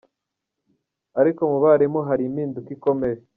Ariko mu barimu hari impinduka ikomeye.